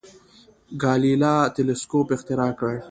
ګالیله تلسکوپ اختراع کړ.